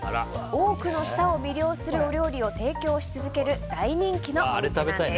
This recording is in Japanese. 多くの舌を魅了するお料理を提供し続ける大人気のお店なんです。